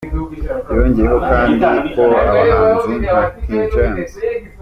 Yongeyeho kandi ko abahanzi nka King James,.